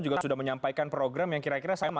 juga sudah menyampaikan program yang kira kira sama